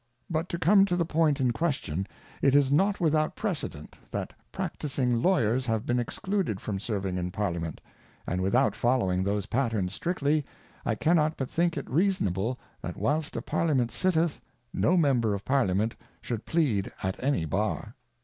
But to come to the point in question ; It is not without Precedent, that Practising Lawyers have been excluded from serving in Parliament ; and, without following those Patterns strictly, I cannot but think it reasonable, that whilst a Pai liament sitteth, no Member of Parliament should plead at any Bar.